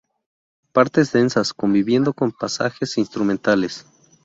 Partes densas, conviviendo con pasajes instrumentales.